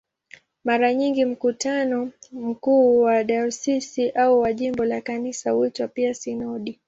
Mara nyingi mkutano mkuu wa dayosisi au wa jimbo la Kanisa huitwa pia "sinodi".